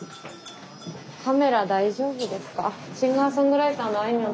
カメラ大丈夫ですか？